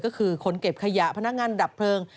ก็คือคนเก็บขยะพนักงานดับเพลิง